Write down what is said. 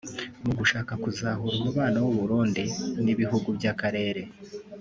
Mu gushaka kuzahura umubano w’u Burundi n’ ibihugu by’akarere